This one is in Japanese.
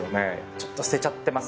ちょっと捨てちゃってますね。